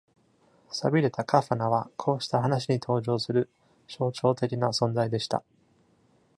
さびれたカファナは、こうした話に登場する象徴的な存在でした。